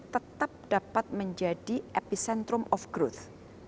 tetap dapat menjadi epicentrum of growth